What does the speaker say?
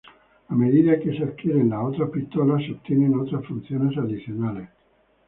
A medida que se adquieren las otras pistolas, se obtienen otras funciones adicionales.